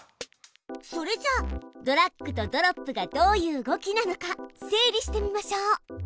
それじゃドラッグとドロップがどういう動きなのか整理してみましょう。